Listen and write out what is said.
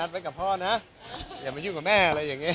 ไว้กับพ่อนะอย่ามายุ่งกับแม่อะไรอย่างนี้